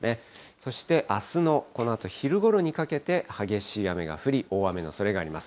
そしてあすのこのあと昼ごろにかけて、激しい雨が降り、大雨のおそれがあります。